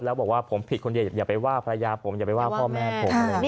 แล้วบอกว่าผมผิดคนเดียวอย่าไปว่าภรรยาผมอย่าไปว่าพ่อแม่ผม